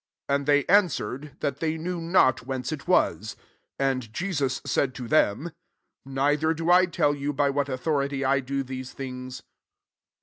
7 And they answer ed, that they knew not whence it wa; 8 And Jesus said to them, " Neither do I tell you by what authority I do these things."